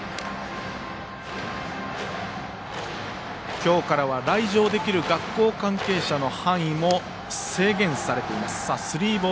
今日からは来場できる学校関係者の範囲も制限されています。